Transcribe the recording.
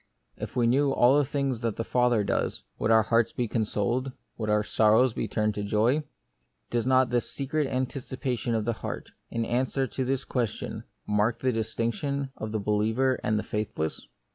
If we knew all things that the Father does, would our hearts be consoled ? would our sorrows be turned into joy ? Does not the secret anticipation of the heart, in answer to this question, mark the distinction of the be liever and the faithless